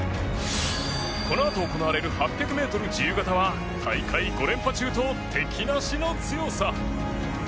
このあと行われる８００ｍ自由形は大会５連覇中と敵なしの強さ。